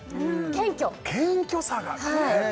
謙虚さがね